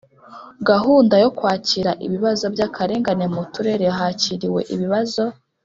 gahunda yo kwakira ibibazo by akarengane mu Turere hakiriwe ibibazo